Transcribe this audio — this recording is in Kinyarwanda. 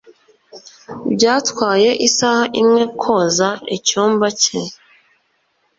Byatwaye isaha imwe koza icyumba cye.